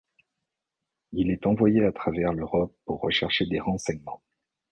Il est envoyé à travers l'Europe pour rechercher des renseignements.